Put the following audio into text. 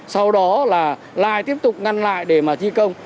sau đó là lai tiếp tục ngăn lại để mà thi công